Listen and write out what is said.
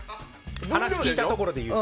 話を聞いたところで言うと。